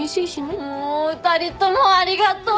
もう２人ともありがとう！